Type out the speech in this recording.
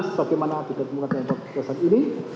sebagaimana dikembangkan untuk kekuasaan ini